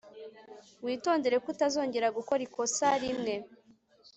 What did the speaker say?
witondere ko utazongera gukora ikosa rimwe